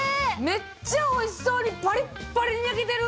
めっちゃおいしそうにパリッパリに焼けてる！